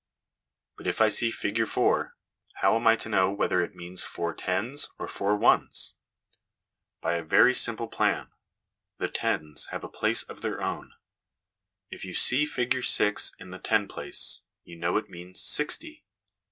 But if I see figure 4, how am I to know whether it means four tens or four ones ? By a very simple plan. The tens have a place of their own ; if you see figure 6 in the ten place, you know it means sixty.